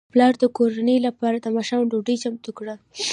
پلار د کورنۍ لپاره د ماښام ډوډۍ چمتو کړه.